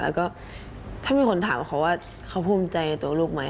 แล้วก็ถ้ามีคนถามเขาว่าเขาภูมิใจกับตัวลูกไหม